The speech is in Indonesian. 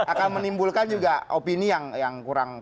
akan menimbulkan juga opini yang kurang